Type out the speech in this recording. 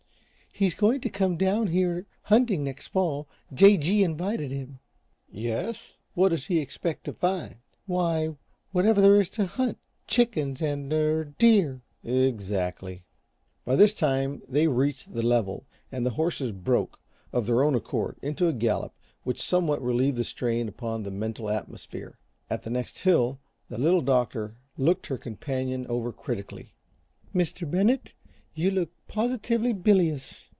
"He's going to come down here hunting next fall. J. G. invited him." "Yes? What does he expect to find?" "Why, whatever there is to hunt. Chickens and er deer " "Exactly." By this they reached the level and the horses broke, of their own accord, into a gallop which somewhat relieved the strain upon the mental atmosphere. At the next hill the Little Doctor looked her companion over critically. "Mr. Bennett, you look positively bilious.